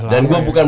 dan gue bukan